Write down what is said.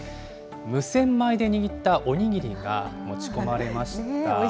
無洗米で握ったお握りが持ち込まれました。